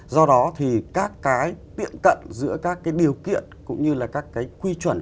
do đó thì các cái tiệm cận giữa các cái điều kiện cũng như là các cái quy chuẩn